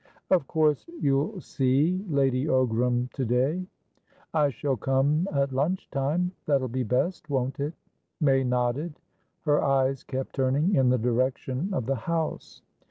"Of course you'll see Lady Ogram to day?" "I shall come at lunch time. That'll be best, won't it?" May nodded. Her eyes kept turning in the direction of the house.